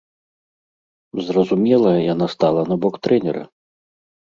Зразумела, яно стала на бок трэнера.